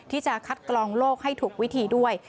ที่จะคัดกรองโลกให้ถูกวิธีด้วย